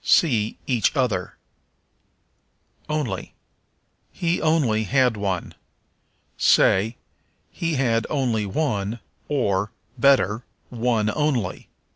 See Each Other. Only. "He only had one." Say, He had only one, or, better, one only.